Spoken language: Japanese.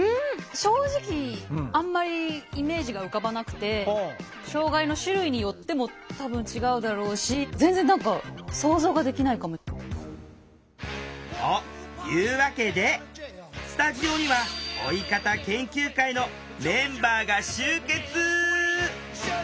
正直あんまりイメージが浮かばなくて障害の種類によっても多分違うだろうし全然何か想像ができないかも。というわけでスタジオには「老い方研究会」のメンバーが集結！